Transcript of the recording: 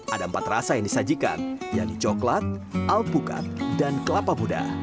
ada empat rasa yang disajikan yaitu coklat alpukat dan kelapa muda